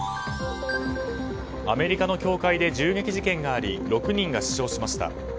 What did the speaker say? アメリカの教会で銃撃事件があり６人が死傷しました。